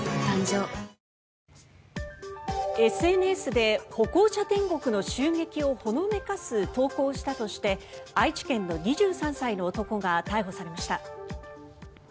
ＳＮＳで歩行者天国の襲撃をほのめかす投稿をしたとして愛知県の２３歳の男が逮捕されました。